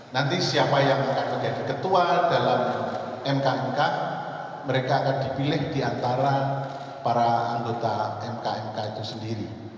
nanti siapa yang akan menjadi ketua dalam mkmk mereka akan dipilih di antara para anggota mkmk itu sendiri